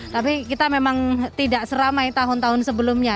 tapi kita memang tidak seramai tahun tahun sebelumnya